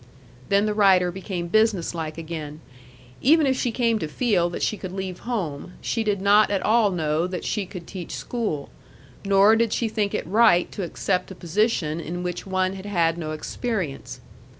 Then the writer became businesslike again. Even if she came to feel that she could leave home, she did not at all know that she could teach school. Nor did she think it right to accept a position in which one had had no experience.